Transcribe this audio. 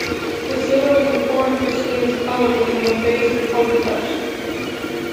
The silver was important for Sweden's economy and the base for coin production.